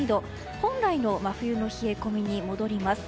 本来の真冬の冷え込みに戻ります。